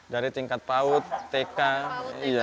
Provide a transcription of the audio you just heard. dari tingkat paut teknologi dan juga dari sekolah dasar